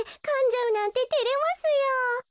かんじゃうなんててれますよ。